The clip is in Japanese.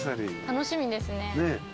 楽しみですね。